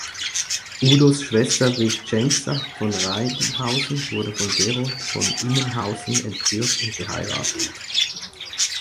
Udos Schwester Richenza von Reinhausen wurde von Gerold von Immenhausen entführt und geheiratet.